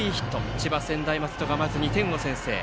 千葉・専大松戸がまず２点を先制。